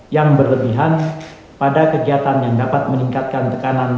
yang berlebihan pada kegiatan yang dapat meningkatkan tekanan